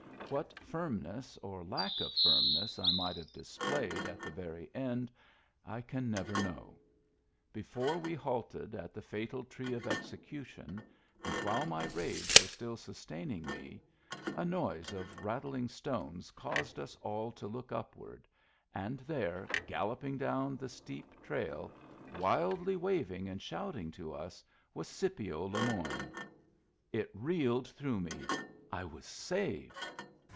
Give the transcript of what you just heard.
What firmness or lack of firmness I might have displayed at the very end I can never know. Before we halted at the fatal tree of execution, and while my rage was still sustaining me, a noise of rattling stones caused us all to look upward, and there, galloping down the steep trail, wildly waving and shouting to us, was Scipio Le Moyne. It reeled through me ! I was saved